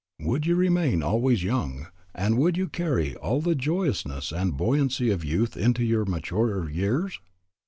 Would you remain always young, and would you carry all the joyousness and buoyancy of youth into your maturer years?